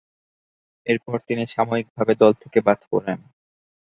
এরপর তিনি সাময়িকভাবে দল থেকে বাদ পড়েন।